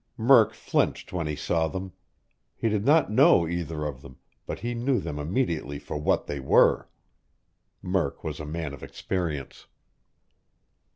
Murk flinched when he saw them. He did not know either of them, but he knew them immediately for what they were. Murk was a man of experience.